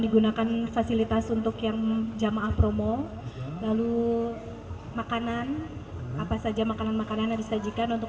digunakan fasilitas untuk yang jamaah promo lalu makanan apa saja makanan makanan yang disajikan untuk